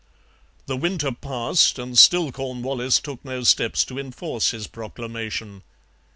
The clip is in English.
The winter passed, and still Cornwallis took no steps to enforce his proclamation.